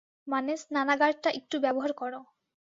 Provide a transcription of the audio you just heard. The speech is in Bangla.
মানে, স্নানাগারটা একটু ব্যবহার করো।